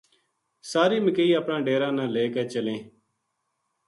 ساری مکئی اپنا ڈیرا نا لے کے چلیں